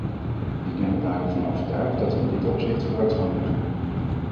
Ik ben er daarom van overtuigd dat we in dit opzicht vooruitgang moeten boeken.